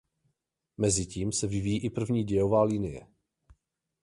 Mezitím se vyvíjí i první dějová linie.